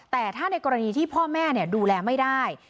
แต่ถ้าในกรณีที่พ่อแม่ดูแลไม่ได้